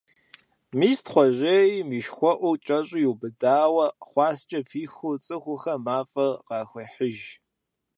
Мес Тхъуэжьейм и шхуэӀур кӀэщӀу иубыдауэ, хъуаскӀэр пихыу, цӀыхухэм мафӀэр къахуехьыж.